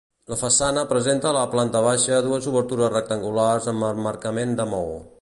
La façana presenta a la planta baixa dues obertures rectangulars amb emmarcament de maó.